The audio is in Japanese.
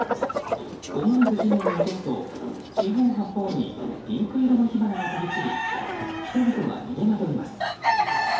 思わず地面に落とすと四方八方にピンク色の火花が飛び散り人々が逃げまどいます。